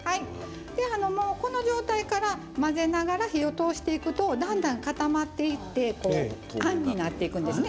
この状態から混ぜながら火を通していくとだんだん固まっていってあんになっていくんですね。